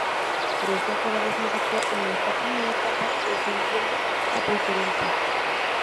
Tres temporadas militó en esta primera etapa, descendiendo a Preferente.